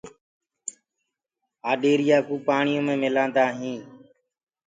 آڏيري يو ڪوُ پآڻيو مي مِلآندآ هينٚ۔